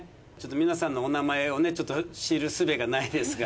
皆さんのお名前をねちょっと知るすべがないですが。